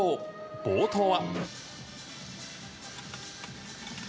冒頭は。